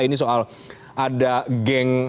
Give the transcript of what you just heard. ini soal ada geng